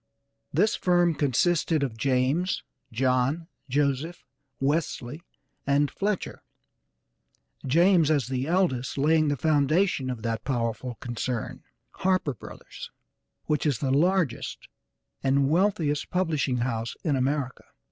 This firm consisted of James, John, Joseph, Wesley and Fletcher; James, as the eldest, laying the foundation of that powerful concern, Harper Brothers, which is the largest and wealthiest publishing house in America.